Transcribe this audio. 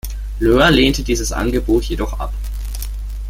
Löhr lehnte dieses Angebot jedoch ab.